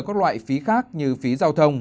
các loại phí khác như phí giao thông